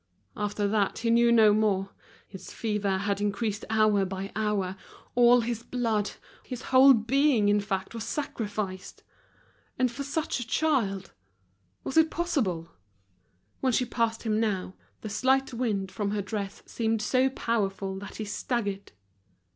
After that he knew no more, his fever had increased hour by hour; all his blood, his whole being, in fact, was sacrificed. And for such a child—was it possible? When she passed him now, the slight wind from her dress seemed so powerful that he staggered.